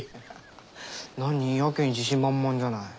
なにやけに自信満々じゃない。